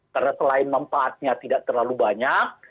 karena selain mempaatnya tidak terlalu banyak